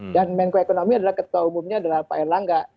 dan menko ekonomi adalah ketua umumnya adalah pak erlangga